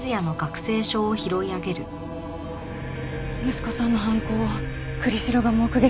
息子さんの犯行を栗城が目撃していた？